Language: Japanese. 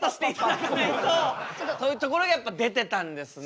というところがやっぱ出てたんですね。